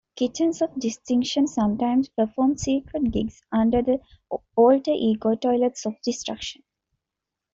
Kitchens of Distinction sometimes performed "secret" gigs under the alter ego Toilets of Destruction.